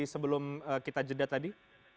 sebelum kita jeda tadi